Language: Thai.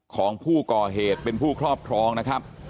ของผู้ก่อเหตุเป็นผู้ครอบครองนะครับ